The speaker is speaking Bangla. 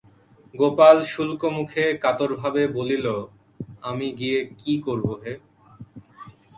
গোপাল শুল্কমুখে কাতরভাবে বলিল, আমি গিয়ে কী করব হে?